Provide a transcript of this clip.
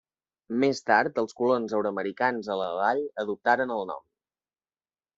Més tard els colons euroamericans a la vall adoptaren el nom.